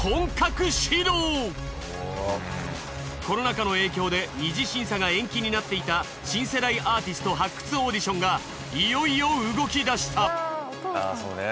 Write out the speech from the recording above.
コロナ禍の影響で二次審査が延期になっていた新世代アーティスト発掘オーディションがいよいよ動き出した。